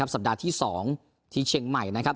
ส่วนสมัยที่สองที่เชียงใหม่นะครับ